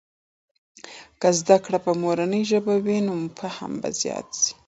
که زده کړې په مورنۍ ژبې وي، نو فهم به زيات سي.